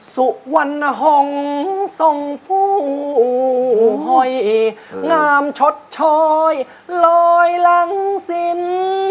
สุวรรณหงษ์ทรงผู้หอยงามชดชอยลอยหลังสิน